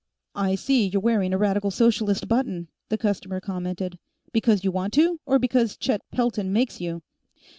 "I see you're wearing a Radical Socialist button," the customer commented. "Because you want to, or because Chet Pelton makes you?"